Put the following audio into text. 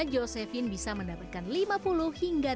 josephine membuat roti yang lebih baik untuk dimanfaatin